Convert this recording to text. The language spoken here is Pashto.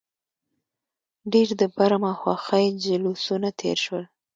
ډېر د برم او خوښۍ جلوسونه تېر شول.